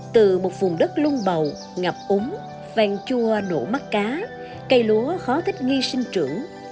từ một vùng đất lung bầu ngập úng vàng chua nổ mắt cá cây lúa khó thích nghi sinh trưởng